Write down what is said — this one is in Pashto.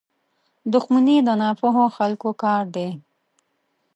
• دښمني د ناپوهو خلکو کار دی.